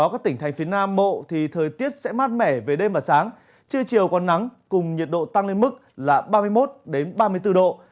các tỉnh thành phía nam bộ thì thời tiết sẽ mát mẻ về đêm và sáng trưa chiều còn nắng cùng nhiệt độ tăng lên mức là ba mươi một ba mươi bốn độ